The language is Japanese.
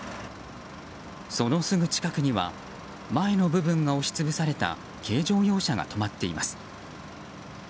そのすぐ近くには前の部分が押し潰された軽乗用車が止まっています。